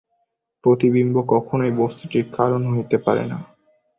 প্রতিবিম্ব কখনও বস্তুটির কারণ হইতে পারে না।